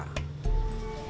ketika berada di kota